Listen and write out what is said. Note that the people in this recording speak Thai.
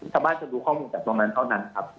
ชาวบ้านจะดูข้อมูลจากตรงนั้นเท่านั้นครับ